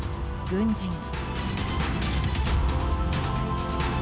軍人。